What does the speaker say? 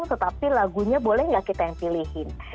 tetapi lagunya boleh nggak kita yang pilihin